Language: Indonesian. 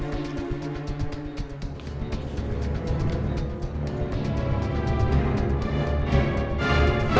kayaknya aku denger suara dari bawah lo pak